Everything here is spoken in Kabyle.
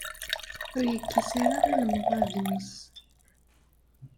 Ur yekkis ara ilemḍaden-is.